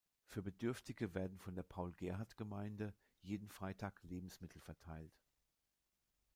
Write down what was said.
Für Bedürftige werden von der Paul-Gerhardt-Gemeinde jeden Freitag Lebensmittel verteilt.